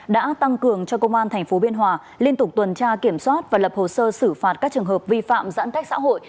đã tăng cường cho công an tp biên hòa liên tục tuần tra kiểm soát và lập hồ sơ xử phạt các trường hợp vi phạm giãn cách xã hội